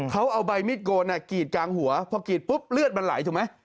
เขาเอาใบมิดโกนกรีดกลางหัวพอกรีดปุ๊บเลือดมันไหลถูกไหม